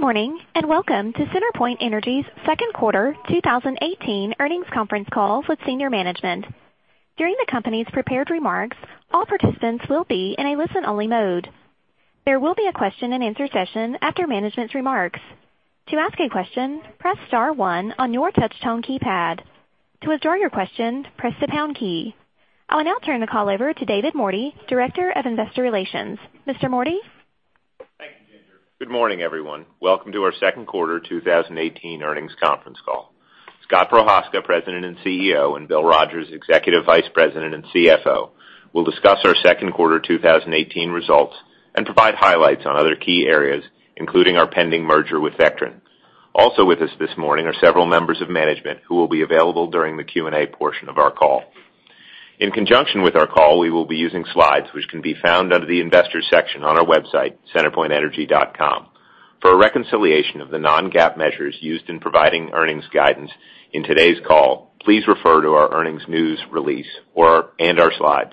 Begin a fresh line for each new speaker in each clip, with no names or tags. Good morning, welcome to CenterPoint Energy's second quarter 2018 earnings conference call with senior management. During the company's prepared remarks, all participants will be in a listen-only mode. There will be a question-and-answer session after management's remarks. To ask a question, press star one on your touch-tone keypad. To withdraw your question, press the pound key. I will now turn the call over to David Mordy, Director of Investor Relations. Mr. Mordy?
Thank you, Ginger. Good morning, everyone. Welcome to our second quarter 2018 earnings conference call. Scott Prochazka, President and CEO, and Bill Rogers, Executive Vice President and CFO, will discuss our second quarter 2018 results and provide highlights on other key areas, including our pending merger with Vectren. Also with us this morning are several members of management who will be available during the Q&A portion of our call. In conjunction with our call, we will be using slides which can be found under the investor section on our website, centerpointenergy.com. For a reconciliation of the non-GAAP measures used in providing earnings guidance in today's call, please refer to our earnings news release and our slides.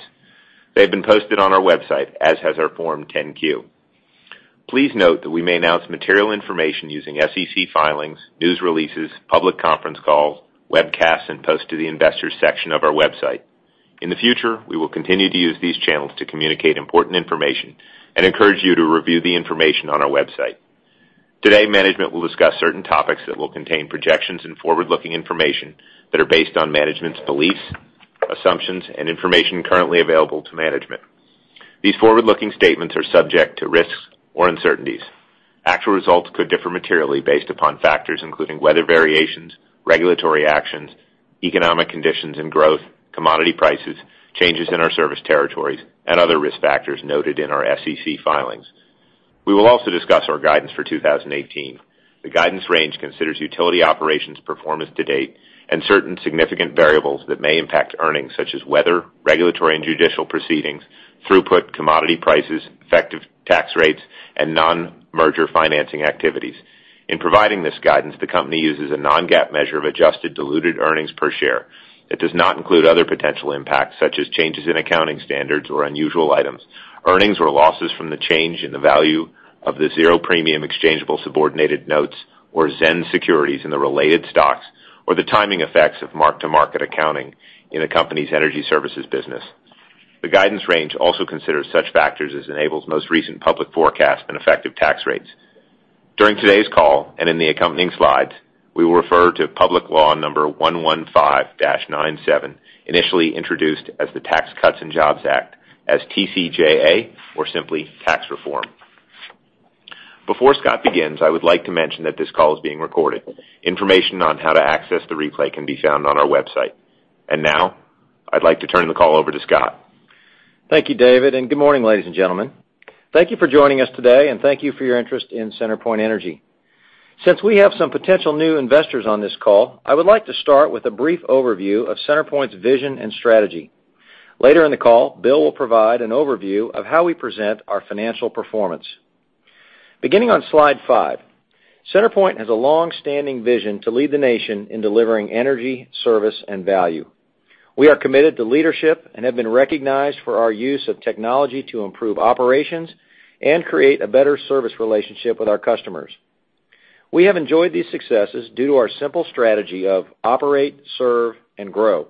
They've been posted on our website, as has our Form 10-Q. Please note that we may announce material information using SEC filings, news releases, public conference calls, webcasts, and posts to the investors section of our website. In the future, we will continue to use these channels to communicate important information and encourage you to review the information on our website. Today, management will discuss certain topics that will contain projections and forward-looking information that are based on management's beliefs, assumptions, and information currently available to management. These forward-looking statements are subject to risks or uncertainties. Actual results could differ materially based upon factors including weather variations, regulatory actions, economic conditions and growth, commodity prices, changes in our service territories, and other risk factors noted in our SEC filings. We will also discuss our guidance for 2018. The guidance range considers utility operations performance to date and certain significant variables that may impact earnings, such as weather, regulatory and judicial proceedings, throughput, commodity prices, effective tax rates, and non-merger financing activities. In providing this guidance, the company uses a non-GAAP measure of adjusted diluted earnings per share. It does not include other potential impacts, such as changes in accounting standards or unusual items, earnings or losses from the change in the value of the zero-premium exchangeable subordinated notes or ZENS securities in the related stocks, or the timing effects of mark-to-market accounting in the company's energy services business. The guidance range also considers such factors as Enable's most recent public forecasts and effective tax rates. During today's call and in the accompanying slides, we will refer to Public Law number 115-97, initially introduced as the Tax Cuts and Jobs Act, as TCJA or simply tax reform. Before Scott begins, I would like to mention that this call is being recorded. Information on how to access the replay can be found on our website. Now I'd like to turn the call over to Scott.
Thank you, David, and good morning, ladies and gentlemen. Thank you for joining us today, and thank you for your interest in CenterPoint Energy. Since we have some potential new investors on this call, I would like to start with a brief overview of CenterPoint's vision and strategy. Later in the call, Bill will provide an overview of how we present our financial performance. Beginning on slide five, CenterPoint has a long-standing vision to lead the nation in delivering energy, service, and value. We are committed to leadership and have been recognized for our use of technology to improve operations and create a better service relationship with our customers. We have enjoyed these successes due to our simple strategy of operate, serve, and grow.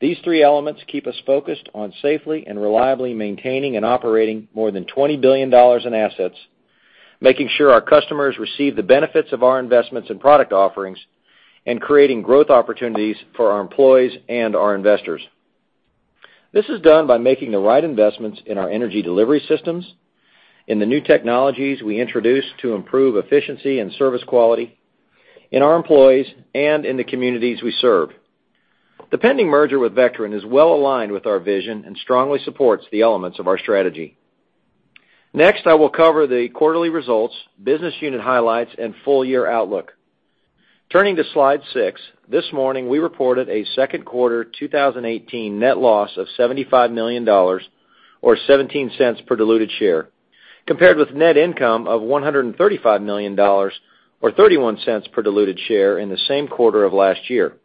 These three elements keep us focused on safely and reliably maintaining and operating more than $20 billion in assets, making sure our customers receive the benefits of our investments and product offerings, and creating growth opportunities for our employees and our investors. This is done by making the right investments in our energy delivery systems, in the new technologies we introduce to improve efficiency and service quality, in our employees, and in the communities we serve. The pending merger with Vectren is well-aligned with our vision and strongly supports the elements of our strategy. Next, I will cover the quarterly results, business unit highlights, and full-year outlook. Turning to slide six. This morning, we reported a second quarter 2018 net loss of $75 million or $0.17 per diluted share, compared with net income of $135 million or $0.31 per diluted share in the same quarter of last year.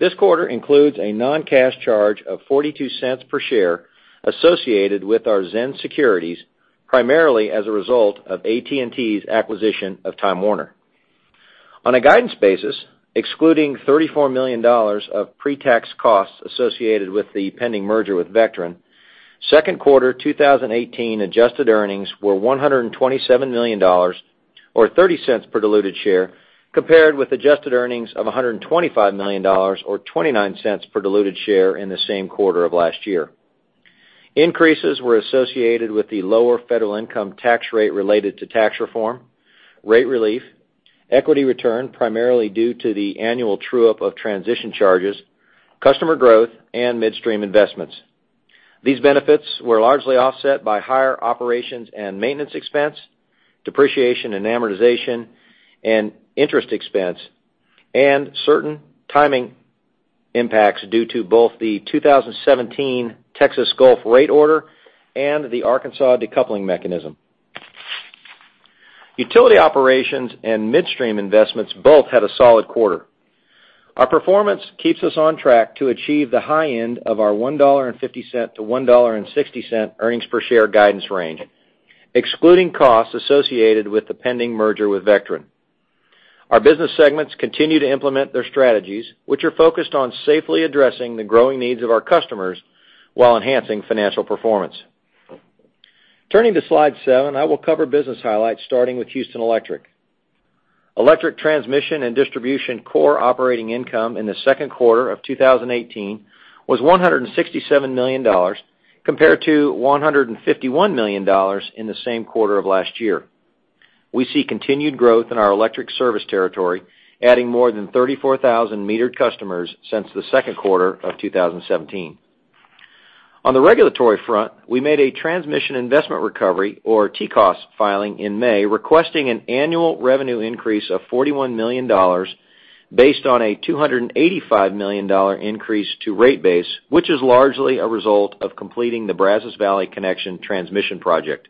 This quarter includes a non-cash charge of $0.42 per share associated with our ZENS securities, primarily as a result of AT&T's acquisition of Time Warner. On a guidance basis, excluding $34 million of pre-tax costs associated with the pending merger with Vectren, second quarter 2018 adjusted earnings were $127 million or $0.30 per diluted share, compared with adjusted earnings of $125 million or $0.29 per diluted share in the same quarter of last year. Increases were associated with the lower federal income tax rate related to tax reform, rate relief, equity return primarily due to the annual true-up of transition charges, customer growth, and midstream investments. These benefits were largely offset by higher operations and maintenance expense, depreciation and amortization and interest expense, and certain timing impacts due to both the 2017 Texas Gulf rate order and the Arkansas decoupling mechanism. Utility operations and midstream investments both had a solid quarter. Our performance keeps us on track to achieve the high end of our $1.50 to $1.60 earnings per share guidance range, excluding costs associated with the pending merger with Vectren. Our business segments continue to implement their strategies, which are focused on safely addressing the growing needs of our customers while enhancing financial performance. Turning to slide seven, I will cover business highlights, starting with Houston Electric. Electric transmission and distribution core operating income in the second quarter of 2018 was $167 million, compared to $151 million in the same quarter of last year. We see continued growth in our electric service territory, adding more than 34,000 metered customers since the second quarter of 2017. On the regulatory front, we made a transmission investment recovery, or TCOS filing in May, requesting an annual revenue increase of $41 million based on a $285 million increase to rate base, which is largely a result of completing the Brazos Valley Connection transmission project.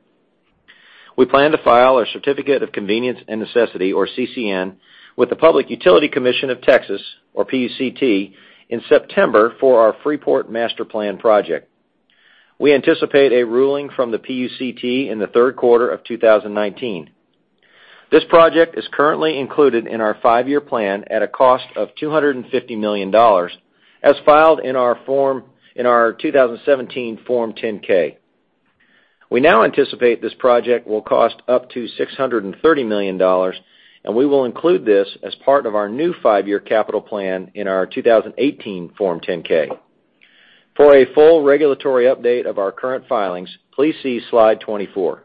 We plan to file our certificate of convenience and necessity, or CCN, with the Public Utility Commission of Texas, or PUCT, in September for our Freeport Master Plan project. We anticipate a ruling from the PUCT in the third quarter of 2019. This project is currently included in our five-year plan at a cost of $250 million, as filed in our 2017 Form 10-K. We now anticipate this project will cost up to $630 million, and we will include this as part of our new five-year capital plan in our 2018 Form 10-K. For a full regulatory update of our current filings, please see slide 24.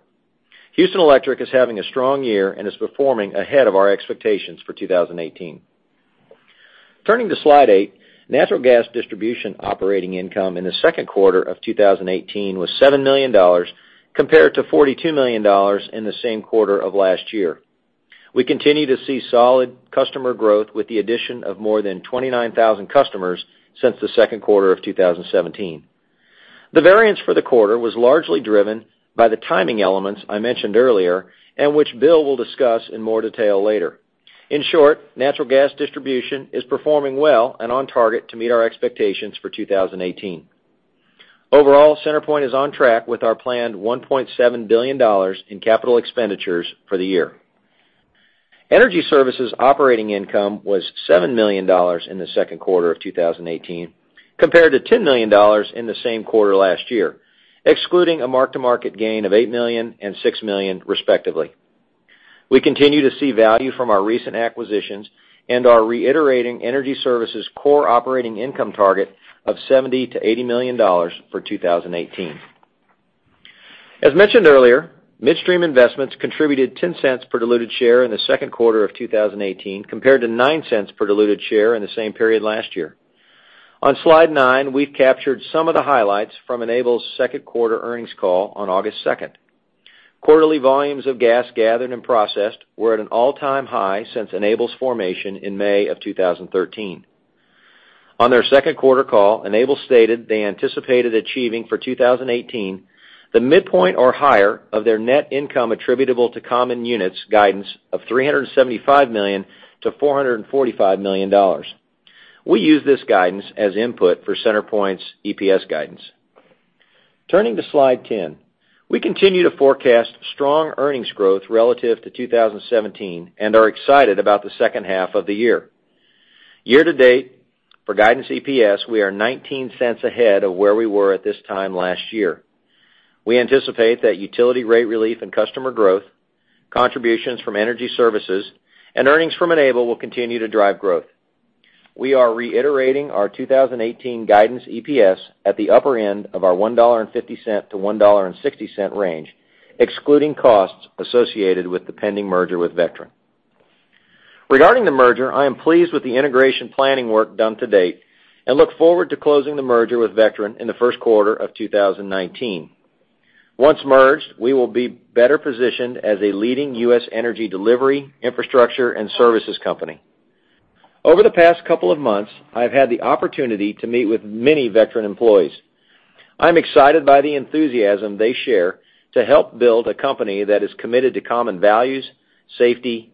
Houston Electric is having a strong year and is performing ahead of our expectations for 2018. Turning to slide eight, natural gas distribution operating income in the second quarter of 2018 was $7 million, compared to $42 million in the same quarter of last year. We continue to see solid customer growth with the addition of more than 29,000 customers since the second quarter of 2017. The variance for the quarter was largely driven by the timing elements I mentioned earlier, and which Bill will discuss in more detail later. In short, natural gas distribution is performing well and on target to meet our expectations for 2018. Overall, CenterPoint is on track with our planned $1.7 billion in capital expenditures for the year. Energy Services operating income was $7 million in the second quarter of 2018, compared to $10 million in the same quarter last year, excluding a mark-to-market gain of $8 million and $6 million respectively. We continue to see value from our recent acquisitions and are reiterating Energy Services' core operating income target of $70 million to $80 million for 2018. As mentioned earlier, midstream investments contributed $0.10 per diluted share in the second quarter of 2018, compared to $0.09 per diluted share in the same period last year. On slide nine, we've captured some of the highlights from Enable's second quarter earnings call on August 2nd. Quarterly volumes of gas gathered and processed were at an all-time high since Enable's formation in May of 2013. On their second quarter call, Enable stated they anticipated achieving, for 2018, the midpoint or higher of their net income attributable to common units' guidance of $375 million-$445 million. We use this guidance as input for CenterPoint's EPS guidance. Turning to slide 10. We continue to forecast strong earnings growth relative to 2017 and are excited about the second half of the year. Year to date, for guidance EPS, we are $0.19 ahead of where we were at this time last year. We anticipate that utility rate relief and customer growth, contributions from energy services, and earnings from Enable will continue to drive growth. We are reiterating our 2018 guidance EPS at the upper end of our $1.50-$1.60 range, excluding costs associated with the pending merger with Vectren. Regarding the merger, I am pleased with the integration planning work done to date, and look forward to closing the merger with Vectren in the first quarter of 2019. Once merged, we will be better positioned as a leading U.S. energy delivery, infrastructure, and services company. Over the past couple of months, I've had the opportunity to meet with many Vectren employees. I'm excited by the enthusiasm they share to help build a company that is committed to common values, safety,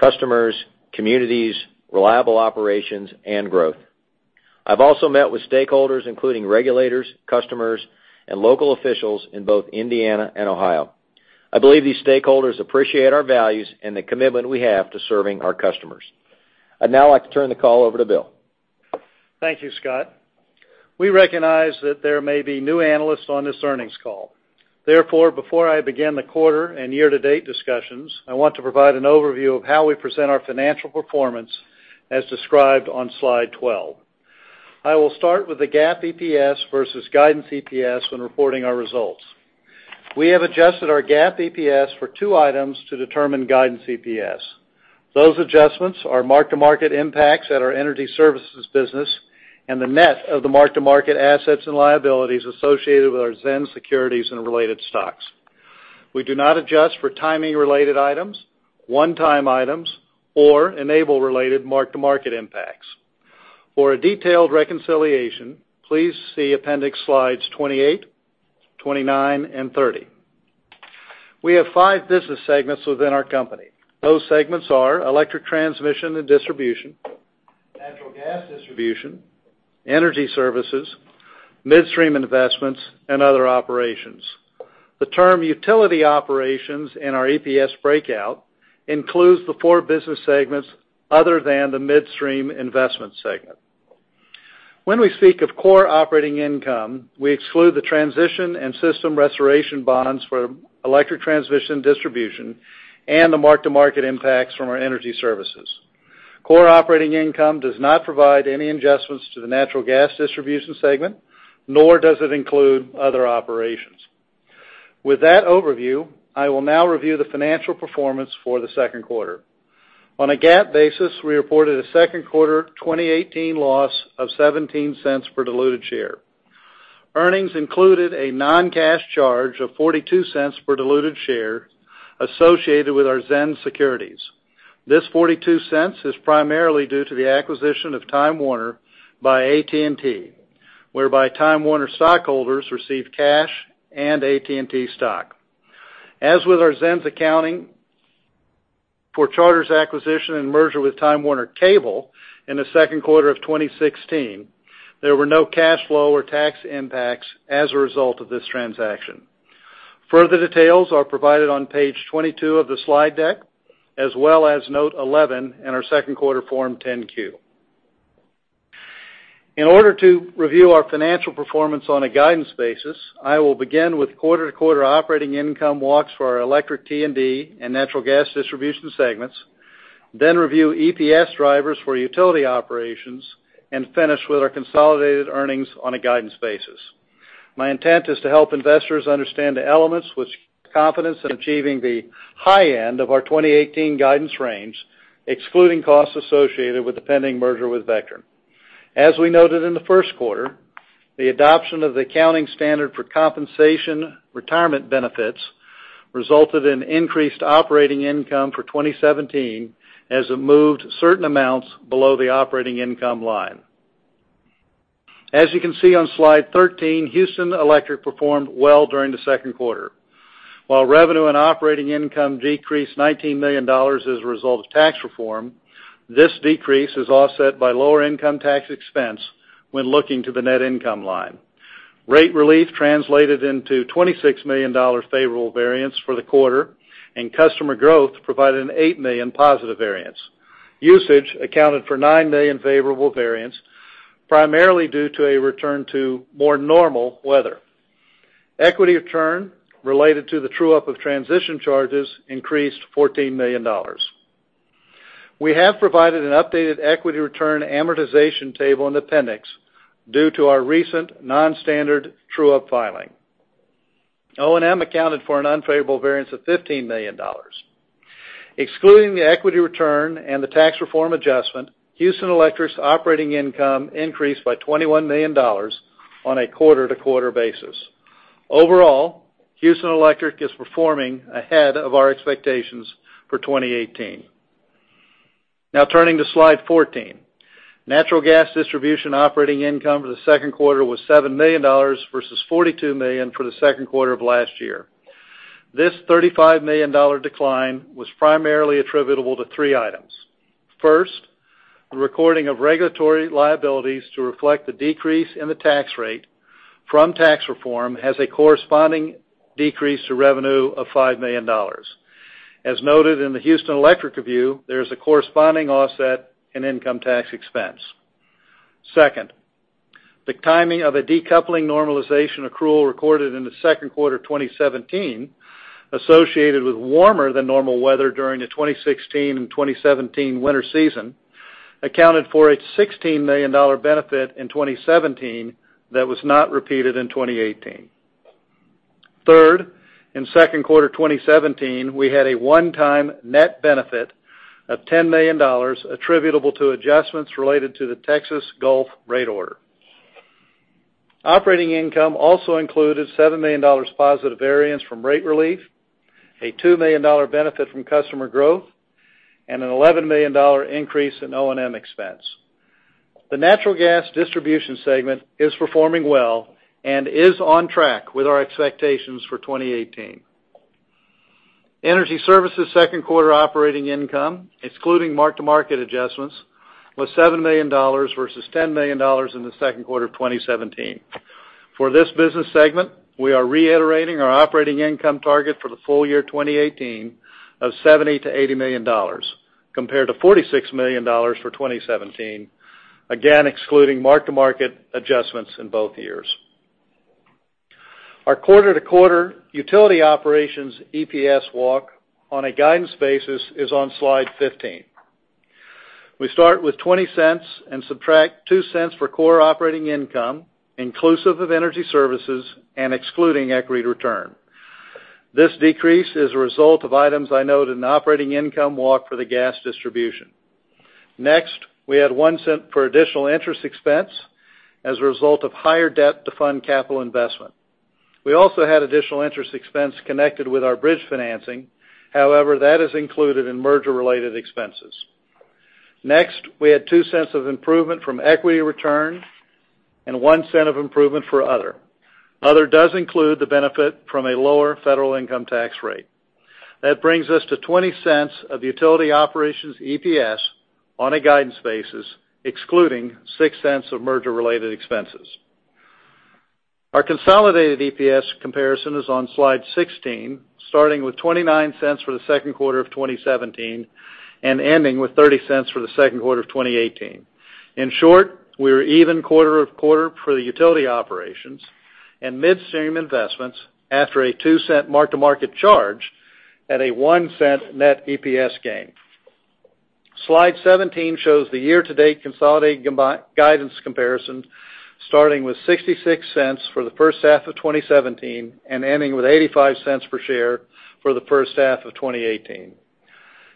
customers, communities, reliable operations, and growth. I've also met with stakeholders, including regulators, customers, and local officials in both Indiana and Ohio. I believe these stakeholders appreciate our values and the commitment we have to serving our customers. I'd now like to turn the call over to Bill.
Thank you, Scott. We recognize that there may be new analysts on this earnings call. Therefore, before I begin the quarter and year-to-date discussions, I want to provide an overview of how we present our financial performance as described on slide 12. I will start with the GAAP EPS versus guidance EPS when reporting our results. We have adjusted our GAAP EPS for two items to determine guidance EPS. Those adjustments are mark-to-market impacts at our energy services business and the net of the mark-to-market assets and liabilities associated with our ZENS securities and related stocks. We do not adjust for timing-related items, one-time items, or Enable-related mark-to-market impacts. For a detailed reconciliation, please see appendix slides 28, 29, and 30. We have five business segments within our company. Those segments are electric transmission and distribution, natural gas distribution, energy services, midstream investments, and other operations. The term utility operations in our EPS breakout includes the four business segments other than the midstream investment segment. When we speak of core operating income, we exclude the transition and system restoration bonds for electric transmission distribution and the mark-to-market impacts from our energy services. Core operating income does not provide any adjustments to the natural gas distribution segment, nor does it include other operations. With that overview, I will now review the financial performance for the second quarter. On a GAAP basis, we reported a second quarter 2018 loss of $0.17 per diluted share. Earnings included a non-cash charge of $0.42 per diluted share associated with our ZENS securities. This $0.42 is primarily due to the acquisition of Time Warner by AT&T, whereby Time Warner stockholders received cash and AT&T stock. As with our ZENS accounting for Charter's acquisition and merger with Time Warner Cable in the second quarter of 2016, there were no cash flow or tax impacts as a result of this transaction. Further details are provided on page 22 of the slide deck, as well as note 11 in our second quarter Form 10-Q. In order to review our financial performance on a guidance basis, I will begin with quarter-to-quarter operating income walks for our electric T&D and natural gas distribution segments, then review EPS drivers for utility operations, and finish with our consolidated earnings on a guidance basis. My intent is to help investors understand the elements with confidence in achieving the high end of our 2018 guidance range, excluding costs associated with the pending merger with Vectren. As we noted in the first quarter, the adoption of the accounting standard for compensation retirement benefits resulted in increased operating income for 2017 as it moved certain amounts below the operating income line. As you can see on slide 13, Houston Electric performed well during the second quarter. While revenue and operating income decreased $19 million as a result of tax reform, this decrease is offset by lower income tax expense when looking to the net income line. Rate relief translated into $26 million favorable variance for the quarter, and customer growth provided an $8 million positive variance. Usage accounted for $9 million favorable variance, primarily due to a return to more normal weather. Equity return related to the true-up of transition charges increased $14 million. We have provided an updated equity return amortization table in appendix due to our recent non-standard true-up filing. O&M accounted for an unfavorable variance of $15 million. Excluding the equity return and the tax reform adjustment, Houston Electric's operating income increased by $21 million on a quarter-to-quarter basis. Overall, Houston Electric is performing ahead of our expectations for 2018. Turning to slide 14. Natural gas distribution operating income for the second quarter was $7 million versus $42 million for the second quarter of last year. This $35 million decline was primarily attributable to three items. First, the recording of regulatory liabilities to reflect the decrease in the tax rate from tax reform has a corresponding decrease to revenue of $5 million. As noted in the Houston Electric review, there is a corresponding offset in income tax expense. Second, the timing of a decoupling normalization accrual recorded in the second quarter 2017 associated with warmer than normal weather during the 2016 and 2017 winter season accounted for a $16 million benefit in 2017 that was not repeated in 2018. Third, in second quarter 2017, we had a one-time net benefit of $10 million attributable to adjustments related to the Texas Gulf rate order. Operating income also included $7 million positive variance from rate relief, a $2 million benefit from customer growth, and an $11 million increase in O&M expense. The natural gas distribution segment is performing well and is on track with our expectations for 2018. Energy services second quarter operating income, excluding mark-to-market adjustments, was $7 million versus $10 million in the second quarter of 2017. For this business segment, we are reiterating our operating income target for the full year 2018 of $70 million-$80 million, compared to $46 million for 2017, again, excluding mark-to-market adjustments in both years. Our quarter-to-quarter utility operations EPS walk on a guidance basis is on slide 15. We start with $0.20 and subtract $0.02 for core operating income, inclusive of energy services and excluding equity return. This decrease is a result of items I noted in the operating income walk for the gas distribution. Next, we add $0.01 for additional interest expense as a result of higher debt to fund capital investment. We also had additional interest expense connected with our bridge financing. However, that is included in merger-related expenses. Next, we had $0.02 of improvement from equity return and $0.01 of improvement for other. Other does include the benefit from a lower federal income tax rate. This brings us to $0.20 of utility operations EPS on a guidance basis, excluding $0.06 of merger-related expenses. Our consolidated EPS comparison is on slide 16, starting with $0.29 for the second quarter of 2017 and ending with $0.30 for the second quarter of 2018. In short, we were even quarter-over-quarter for the utility operations and midstream investments after a $0.02 mark-to-market charge at a $0.01 net EPS gain. Slide 17 shows the year-to-date consolidated guidance comparison, starting with $0.66 for the first half of 2017 and ending with $0.85 per share for the first half of 2018.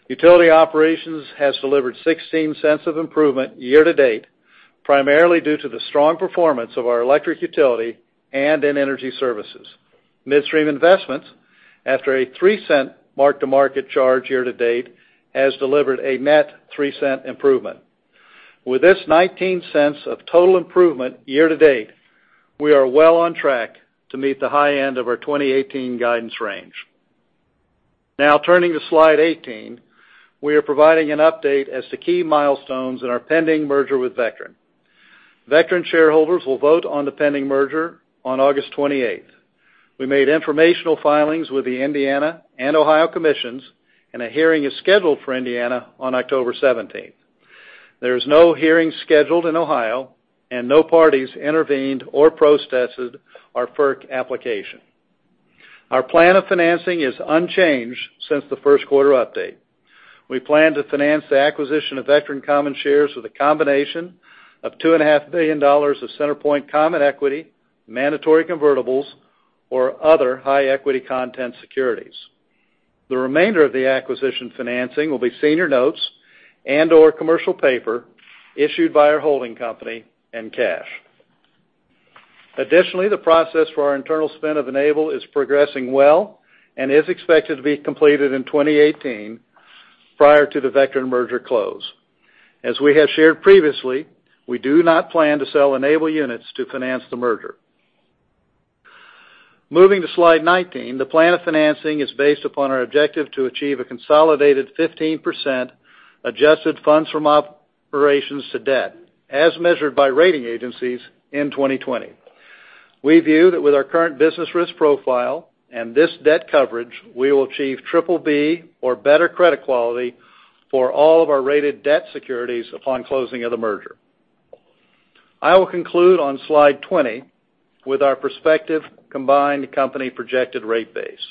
Utility operations has delivered $0.16 of improvement year-to-date, primarily due to the strong performance of our electric utility and in energy services. Midstream investments, after a $0.03 mark-to-market charge year-to-date, has delivered a net $0.03 improvement. With this $0.19 of total improvement year-to-date, we are well on track to meet the high end of our 2018 guidance range. Turning to slide 18, we are providing an update as to key milestones in our pending merger with Vectren. Vectren shareholders will vote on the pending merger on August 28th. We made informational filings with the Indiana and Ohio Commissions, and a hearing is scheduled for Indiana on October 17th. There is no hearing scheduled in Ohio and no parties intervened or protested our FERC application. Our plan of financing is unchanged since the first quarter update. We plan to finance the acquisition of Vectren common shares with a combination of $2.5 billion of CenterPoint common equity, mandatory convertibles, or other high equity content securities. The remainder of the acquisition financing will be senior notes and/or commercial paper issued by our holding company and cash. Additionally, the process for our internal spin of Enable is progressing well and is expected to be completed in 2018 prior to the Vectren merger close. As we have shared previously, we do not plan to sell Enable units to finance the merger. Moving to slide 19, the plan of financing is based upon our objective to achieve a consolidated 15% adjusted funds from operations to debt as measured by rating agencies in 2020. We view that with our current business risk profile and this debt coverage, we will achieve BBB or better credit quality for all of our rated debt securities upon closing of the merger. I will conclude on slide 20 with our prospective combined company projected rate base.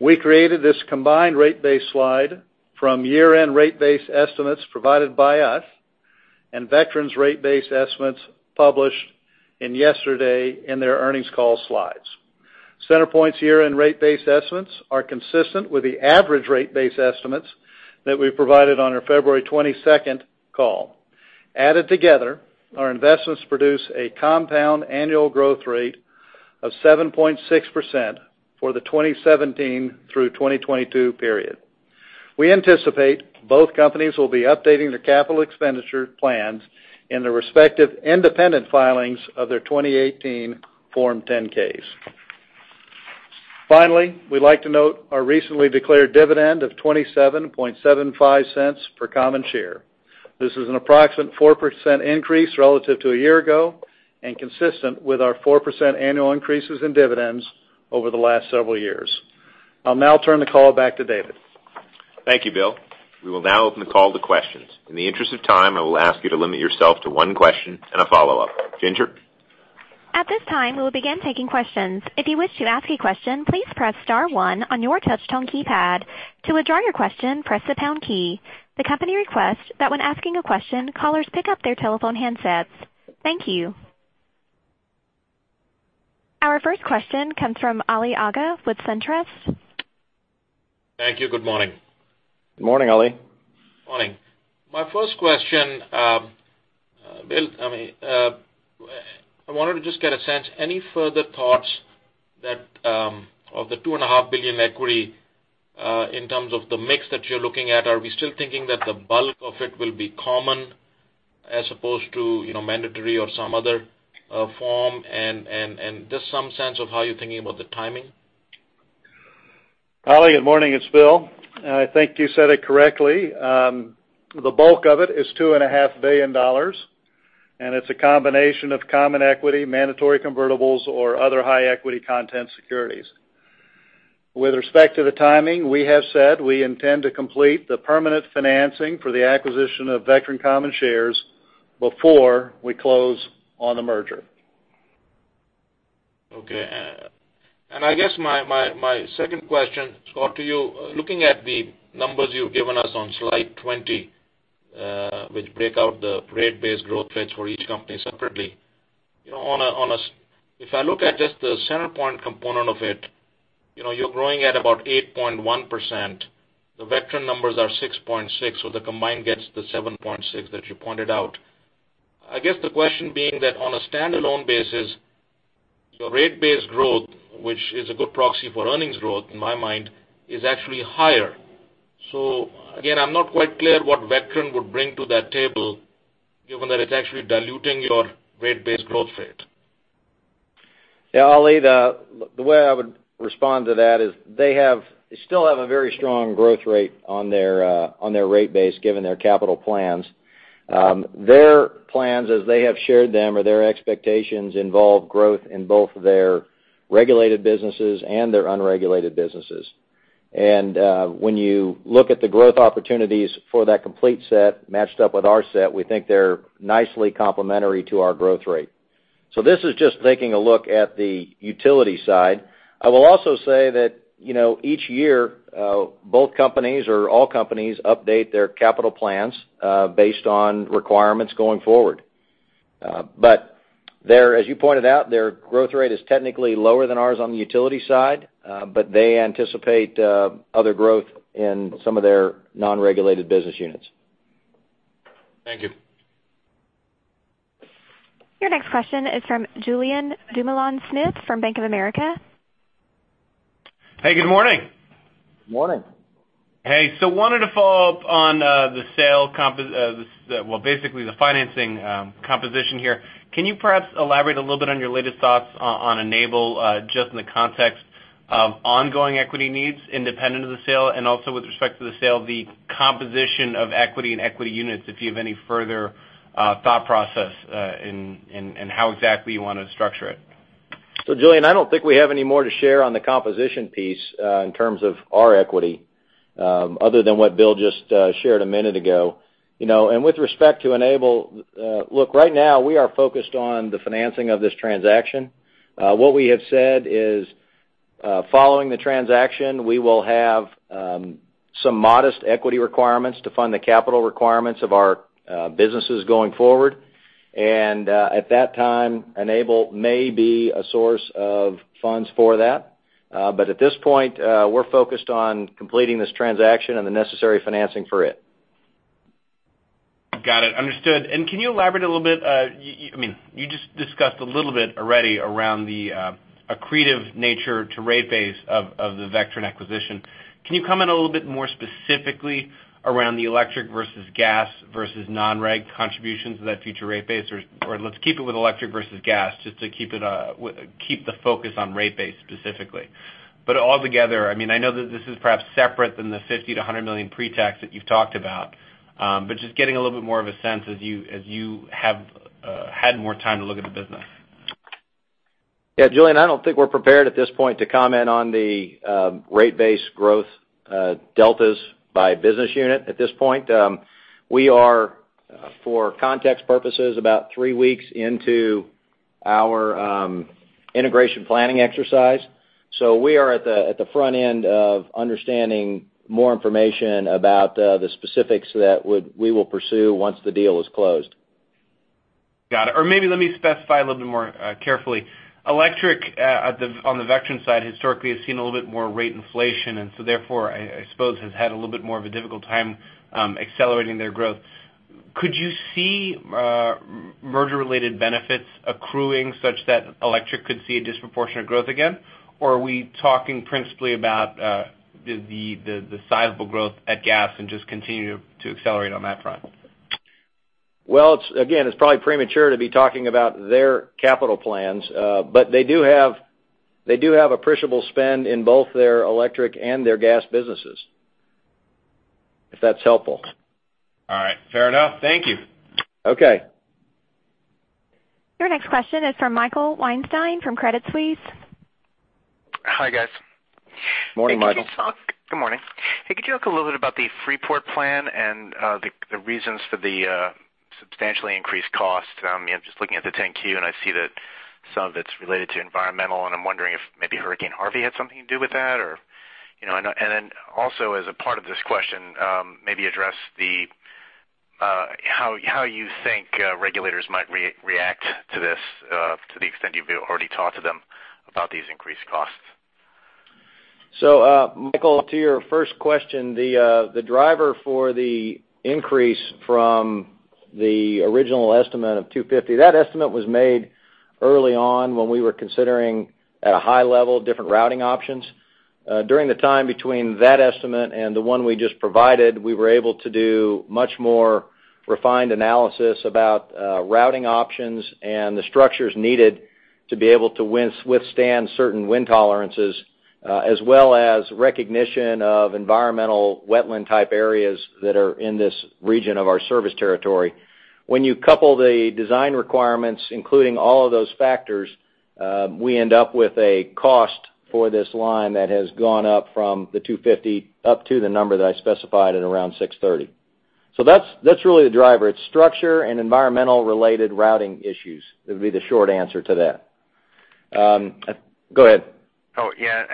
We created this combined rate base slide from year-end rate base estimates provided by us and Vectren's rate base estimates published yesterday in their earnings call slides. CenterPoint's year-end rate base estimates are consistent with the average rate base estimates that we provided on our February 22nd call. Added together, our investments produce a compound annual growth rate of 7.6% for the 2017 through 2022 period. We anticipate both companies will be updating their capital expenditure plans in their respective independent filings of their 2018 Form 10-Ks. Finally, we'd like to note our recently declared dividend of $0.2775 per common share. This is an approximate 4% increase relative to a year ago and consistent with our 4% annual increases in dividends over the last several years. I'll now turn the call back to David.
Thank you, Bill. We will now open the call to questions. In the interest of time, I will ask you to limit yourself to one question and a follow-up. Ginger?
At this time, we will begin taking questions. If you wish to ask a question, please press *1 on your touchtone keypad. To withdraw your question, press the # key. The company requests that when asking a question, callers pick up their telephone handsets. Thank you. Our first question comes from Ali Agha with SunTrust.
Thank you. Good morning.
Good morning, Ali.
Morning. My first question, Bill, I wanted to just get a sense, any further thoughts of the $2.5 billion equity in terms of the mix that you're looking at? Are we still thinking that the bulk of it will be common as opposed to mandatory or some other form? Just some sense of how you're thinking about the timing.
Ali, good morning. It's Bill. I think you said it correctly. The bulk of it is $2.5 billion, and it's a combination of common equity, mandatory convertibles, or other high equity content securities. With respect to the timing, we have said we intend to complete the permanent financing for the acquisition of Vectren common shares before we close on the merger.
Okay. I guess my second question, Scott, to you. Looking at the numbers you've given us on slide 20 which break out the rate base growth rates for each company separately, if I look at just the CenterPoint component of it, you're growing at about 8.1%. The Vectren numbers are 6.6%, so the combined gets the 7.6% that you pointed out. I guess the question being that on a standalone basis rate base growth, which is a good proxy for earnings growth in my mind, is actually higher. Again, I'm not quite clear what Vectren would bring to that table, given that it's actually diluting your rate base growth rate.
Yeah, Ali, the way I would respond to that is they still have a very strong growth rate on their rate base, given their capital plans. Their plans as they have shared them or their expectations involve growth in both their regulated businesses and their unregulated businesses. When you look at the growth opportunities for that complete set matched up with our set, we think they're nicely complementary to our growth rate. This is just taking a look at the utility side. I will also say that, each year, both companies or all companies update their capital plans based on requirements going forward. As you pointed out, their growth rate is technically lower than ours on the utility side. They anticipate other growth in some of their non-regulated business units.
Thank you.
Your next question is from Julien Dumoulin-Smith from Bank of America.
Hey, good morning.
Morning.
Hey. Wanted to follow up on the sale, well, basically, the financing composition here. Can you perhaps elaborate a little bit on your latest thoughts on Enable just in the context of ongoing equity needs independent of the sale and also with respect to the sale, the composition of equity and equity units, if you have any further thought process, and how exactly you want to structure it?
Julien, I don't think we have any more to share on the composition piece, in terms of our equity, other than what Bill just shared a minute ago. With respect to Enable, look, right now we are focused on the financing of this transaction. What we have said is, following the transaction, we will have some modest equity requirements to fund the capital requirements of our businesses going forward. At that time, Enable may be a source of funds for that. At this point, we're focused on completing this transaction and the necessary financing for it.
Got it. Understood. Can you elaborate a little bit, you just discussed a little bit already around the accretive nature to rate base of the Vectren acquisition. Can you comment a little bit more specifically around the electric versus gas versus non-reg contributions to that future rate base or let's keep it with electric versus gas just to keep the focus on rate base specifically. All together, I know that this is perhaps separate than the $50 million-$100 million pre-tax that you've talked about. Just getting a little bit more of a sense as you have had more time to look at the business.
Yeah, Julien, I don't think we're prepared at this point to comment on the rate base growth deltas by business unit at this point. We are, for context purposes, about three weeks into our integration planning exercise. We are at the front end of understanding more information about the specifics that we will pursue once the deal is closed.
Got it. Maybe let me specify a little bit more carefully. Electric on the Vectren side historically has seen a little bit more rate inflation, therefore, I suppose has had a little bit more of a difficult time accelerating their growth. Could you see merger-related benefits accruing such that electric could see a disproportionate growth again? Are we talking principally about the sizable growth at gas just continue to accelerate on that front?
Well, again, it's probably premature to be talking about their capital plans. They do have appreciable spend in both their electric and their gas businesses. If that's helpful.
All right. Fair enough. Thank you.
Okay.
Your next question is from Michael Weinstein from Credit Suisse.
Hi, guys.
Morning, Michael.
Good morning. Hey, could you talk a little bit about the Freeport Master Plan and the reasons for the substantially increased cost? I'm just looking at the Form 10-Q, and I see that some of it's related to environmental, and I'm wondering if maybe Hurricane Harvey had something to do with that or. Then also as a part of this question, maybe address how you think regulators might react to this, to the extent you've already talked to them about these increased costs.
Michael, to your first question, the driver for the increase from the original estimate of $250. That estimate was made early on when we were considering at a high level different routing options. During the time between that estimate and the one we just provided, we were able to do much more refined analysis about routing options and the structures needed to be able to withstand certain wind tolerances, as well as recognition of environmental wetland-type areas that are in this region of our service territory. When you couple the design requirements, including all of those factors, we end up with a cost for this line that has gone up from the $250 up to the number that I specified at around $630. That's really the driver. It's structure and environmental-related routing issues, that would be the short answer to that. Go ahead.
Oh, yeah.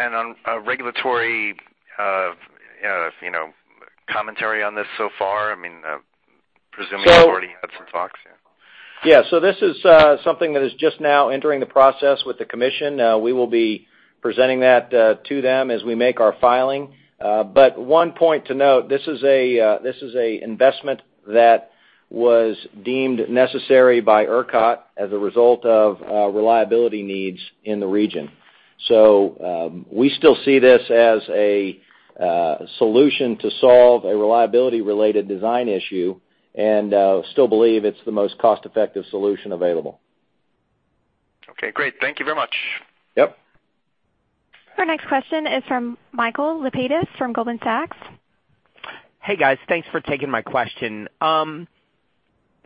On regulatory commentary on this so far, I'm presuming you've already had some talks. Yeah.
Yeah. This is something that is just now entering the process with the commission. We will be presenting that to them as we make our filing. One point to note, this is a investment that Was deemed necessary by ERCOT as a result of reliability needs in the region. We still see this as a solution to solve a reliability-related design issue and still believe it's the most cost-effective solution available.
Okay, great. Thank you very much.
Yep.
Our next question is from Michael Lapides from Goldman Sachs.
Hey, guys. Thanks for taking my question.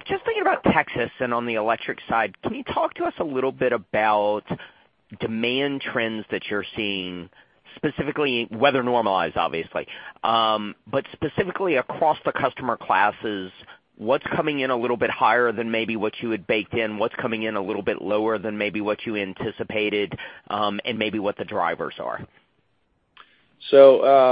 Just thinking about Texas and on the electric side, can you talk to us a little bit about demand trends that you're seeing, specifically weather normalized, obviously. Specifically across the customer classes, what's coming in a little bit higher than maybe what you had baked in? What's coming in a little bit lower than maybe what you anticipated, and maybe what the drivers are?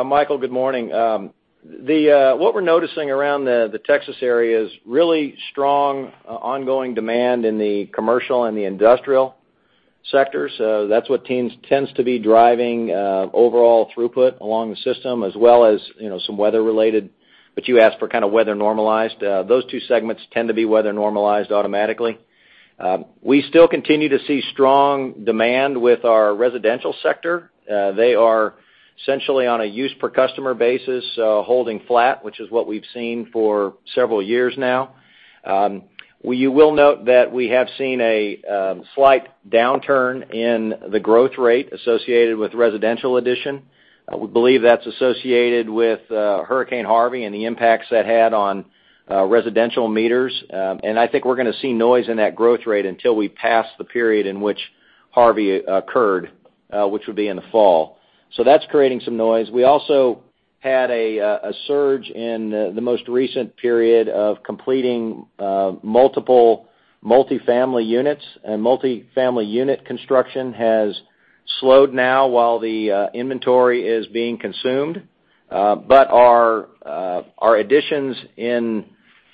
Michael, good morning. What we're noticing around the Texas area is really strong ongoing demand in the commercial and the industrial sectors. That's what tends to be driving overall throughput along the system, as well as some weather related. You asked for kind of weather normalized. Those two segments tend to be weather normalized automatically. We still continue to see strong demand with our residential sector. They are essentially on a use per customer basis, holding flat, which is what we've seen for several years now. You will note that we have seen a slight downturn in the growth rate associated with residential addition. We believe that's associated with Hurricane Harvey and the impacts that had on residential meters. I think we're going to see noise in that growth rate until we pass the period in which Harvey occurred, which would be in the fall. That's creating some noise. We also had a surge in the most recent period of completing multiple multi-family units. Multi-family unit construction has slowed now while the inventory is being consumed. Our additions in,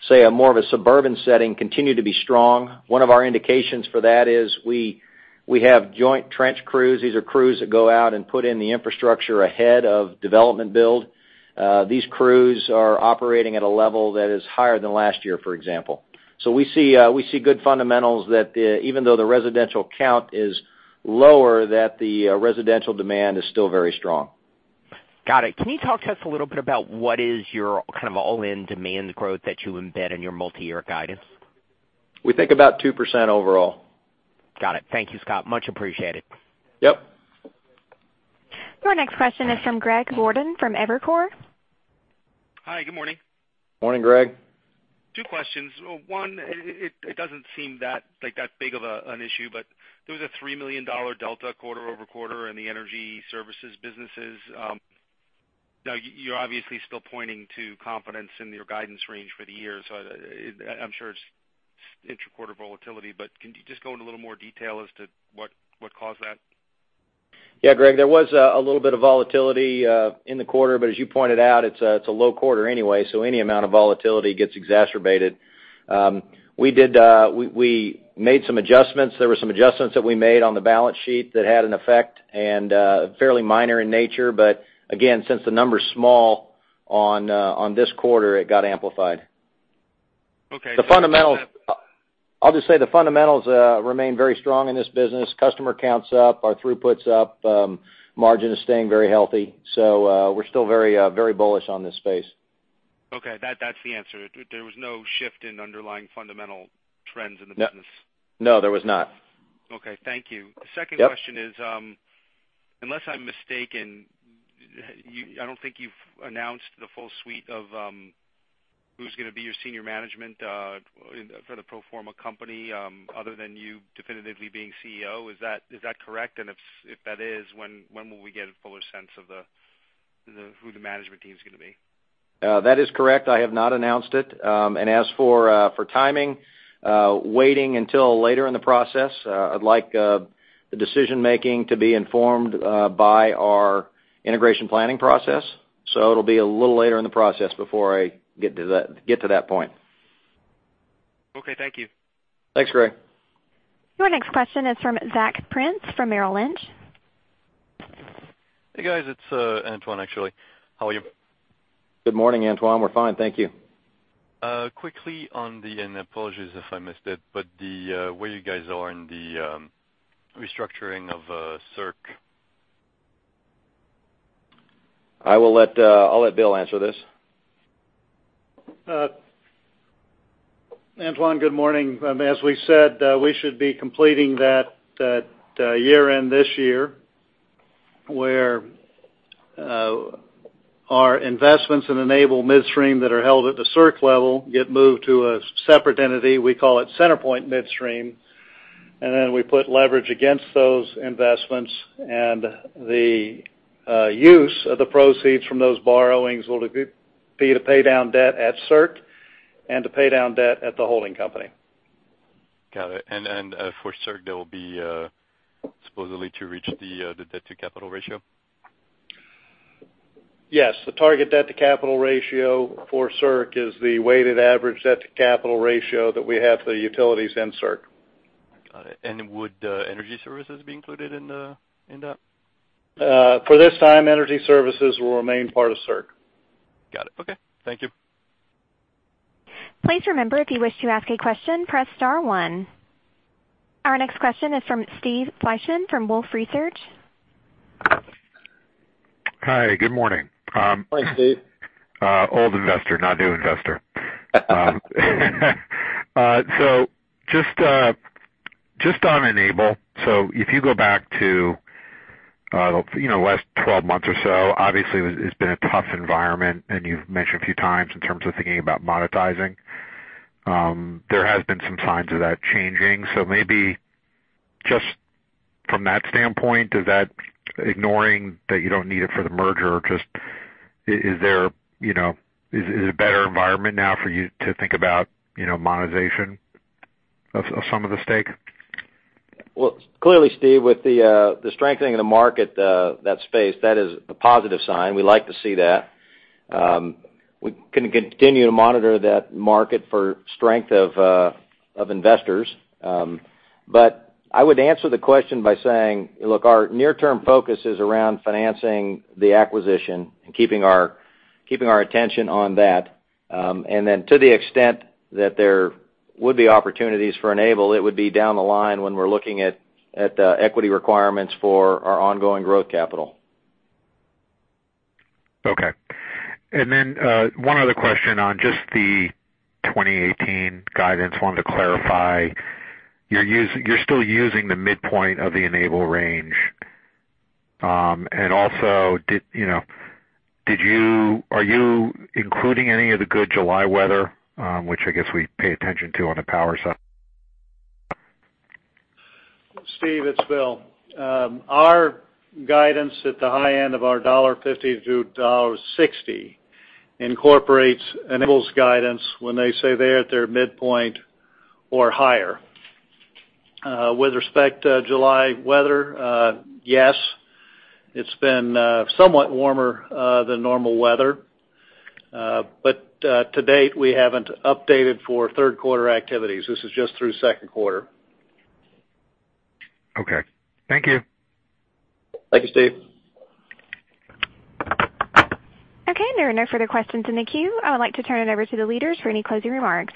say, a more of a suburban setting continue to be strong. One of our indications for that is we have joint trench crews. These are crews that go out and put in the infrastructure ahead of development build. These crews are operating at a level that is higher than last year, for example. We see good fundamentals that even though the residential count is lower, that the residential demand is still very strong.
Got it. Can you talk to us a little bit about what is your kind of all-in demand growth that you embed in your multi-year guidance?
We think about 2% overall.
Got it. Thank you, Scott. Much appreciated.
Yep.
Your next question is from Greg Gordon from Evercore.
Hi, good morning.
Morning, Greg.
Two questions. One, it doesn't seem like that big of an issue, there was a $3 million delta quarter-over-quarter in the energy services businesses. You're obviously still pointing to confidence in your guidance range for the year, I'm sure it's inter-quarter volatility, can you just go into a little more detail as to what caused that?
Yeah, Greg, there was a little bit of volatility in the quarter, but as you pointed out, it's a low quarter anyway, so any amount of volatility gets exacerbated. We made some adjustments. There were some adjustments that we made on the balance sheet that had an effect and fairly minor in nature. Again, since the number's small on this quarter, it got amplified.
Okay.
I'll just say the fundamentals remain very strong in this business. Customer count's up, our throughput's up. Margin is staying very healthy. We're still very bullish on this space.
Okay. That's the answer. There was no shift in underlying fundamental trends in the business.
No, there was not.
Okay. Thank you.
Yep.
The second question is, unless I'm mistaken, I don't think you've announced the full suite of who's going to be your senior management for the pro forma company other than you definitively being CEO. Is that correct? If that is, when will we get a fuller sense of who the management team is going to be?
That is correct. I have not announced it. As for timing, waiting until later in the process. I'd like the decision-making to be informed by our integration planning process. It'll be a little later in the process before I get to that point.
Okay. Thank you.
Thanks, Greg.
Your next question is from Zach Prince from Merrill Lynch.
Hey, guys. It's Antoine, actually. How are you?
Good morning, Antoine. We're fine, thank you.
Quickly on the, apologies if I missed it, but where you guys are in the restructuring of CERC.
I'll let Bill answer this.
Antoine, good morning. As we said, we should be completing that year-end this year, where our investments in Enable Midstream that are held at the CERC level get moved to a separate entity. We call it CenterPoint Midstream. Then we put leverage against those investments, and the use of the proceeds from those borrowings will be to pay down debt at CERC and to pay down debt at the holding company.
Got it. For CERC, that will be supposedly to reach the debt to capital ratio?
Yes. The target debt to capital ratio for CERC is the weighted average debt to capital ratio that we have for the utilities in CERC.
Got it. Would energy services be included in that?
For this time, energy services will remain part of CERC.
Got it. Okay. Thank you.
Please remember, if you wish to ask a question, press star one. Our next question is from Steve Fleishman from Wolfe Research.
Hi, good morning.
Hi, Steve.
Old investor, not new investor. Just on Enable. If you go back to the last 12 months or so, obviously it's been a tough environment, and you've mentioned a few times in terms of thinking about monetizing. There have been some signs of that changing. Maybe just from that standpoint, is that ignoring that you don't need it for the merger, or just is it a better environment now for you to think about monetization of some of the stake?
Well, clearly, Steve, with the strengthening of the market, that space, that is a positive sign. We like to see that. We can continue to monitor that market for strength of investors. I would answer the question by saying, look, our near-term focus is around financing the acquisition and keeping our attention on that. Then to the extent that there would be opportunities for Enable, it would be down the line when we're looking at the equity requirements for our ongoing growth capital.
Okay. Then one other question on just the 2018 guidance. Wanted to clarify, you're still using the midpoint of the Enable range. Also, are you including any of the good July weather? Which I guess we pay attention to on the power side.
Steve, it's Bill. Our guidance at the high end of our $1.50-$1.60 incorporates Enable's guidance when they say they're at their midpoint or higher. With respect to July weather, yes, it's been somewhat warmer than normal weather. To date, we haven't updated for third quarter activities. This is just through second quarter.
Okay. Thank you.
Thank you, Steve.
Okay. There are no further questions in the queue. I would like to turn it over to the leaders for any closing remarks.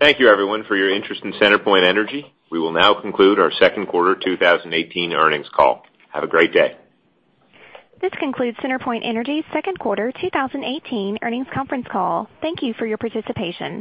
Thank you everyone for your interest in CenterPoint Energy. We will now conclude our second quarter 2018 earnings call. Have a great day.
This concludes CenterPoint Energy's second quarter 2018 earnings conference call. Thank you for your participation.